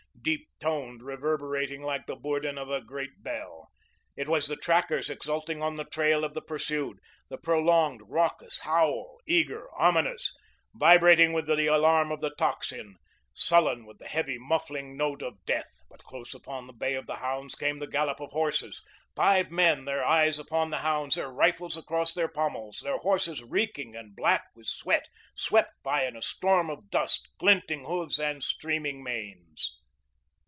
deep toned, reverberating like the bourdon of a great bell. It was the trackers exulting on the trail of the pursued, the prolonged, raucous howl, eager, ominous, vibrating with the alarm of the tocsin, sullen with the heavy muffling note of death. But close upon the bay of the hounds, came the gallop of horses. Five men, their eyes upon the hounds, their rifles across their pommels, their horses reeking and black with sweat, swept by in a storm of dust, glinting hoofs, and streaming manes.